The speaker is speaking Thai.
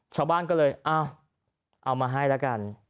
ชาวบ้านก็เลยเอ้าเอามาให้แล้วกัน